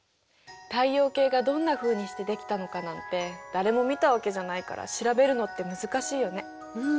太陽系がどんなふうにしてできたのかなんて誰も見たわけじゃないから調べるのって難しいよね。